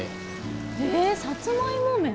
えー、さつまいも麺？